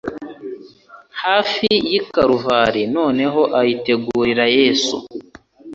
hafi y'i Karuvali. Noneho ayitegurira Yesu.